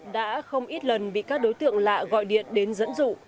đã không ít lần bị các đối tượng lạ gọi điện đến dẫn dụ